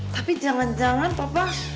tapi jangan jangan papa